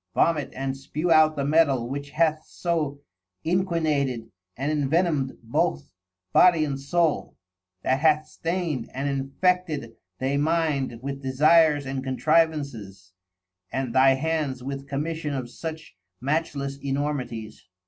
Vomit and spew out the Mettal which hath so inqinated and invenom'd both Body and Soul, that hath stain'd and infected they mind with desires and contrivances, and thy hands with Commission of such matchless Enormities.